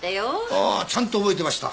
あーちゃんと覚えてました。